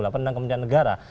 tentang kepentingan negara